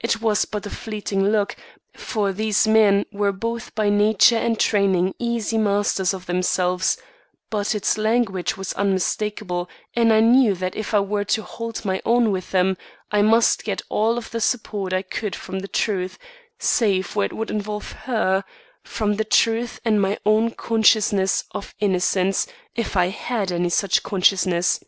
It was but a fleeting look, for these men were both by nature and training easy masters of themselves; but its language was unmistakable and I knew that if I were to hold my own with them, I must get all the support I could from the truth, save where it would involve her from the truth and my own consciousness of innocence, if I had any such consciousness.